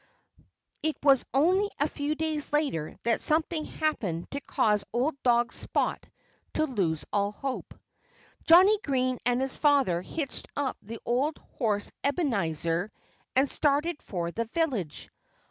It was only a few days later that something happened to cause old dog Spot to lose all hope. Johnnie Green and his father hitched up the old horse Ebenezer and started for the village.